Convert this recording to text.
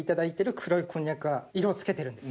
黒いこんにゃくは色をつけてるんです。